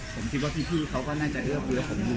ผมคิดว่าพี่ผมเขาก็จะอื้อเหลือผมอยู่